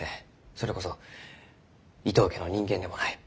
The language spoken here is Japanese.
それこそ伊藤家の人間でもない。